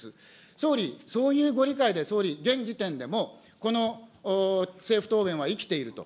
総理、そういうご理解で、総理、現時点でも、この政府答弁は生きていると。